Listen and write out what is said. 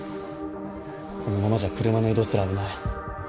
このままじゃ車の移動すら危ない。